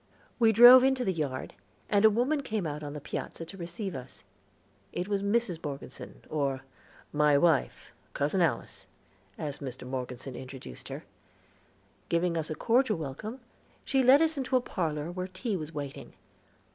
We drove into the yard, and a woman came out on the piazza to receive us. It was Mrs. Morgeson, or "My wife, Cousin Alice," as Mr. Morgeson introduced her. Giving us a cordial welcome, she led us into a parlor where tea was waiting.